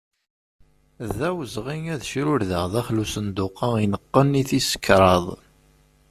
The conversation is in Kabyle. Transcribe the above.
D awezɣi ad crurdeɣ daxel n uzabuq-a ineqqen i tis kraḍ.